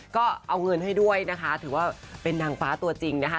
ก็เอาเงินให้ด้วยนะคะถือว่าเป็นนางฟ้าตัวจริงนะคะ